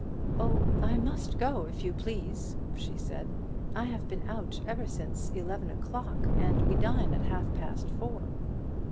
"Oh, I must go, if you please," she said; "I have been out ever since eleven o'clock, and we dine at half past four."